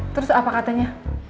terus apa katanya